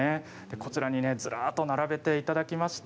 こちらにずらっと並べていただきました。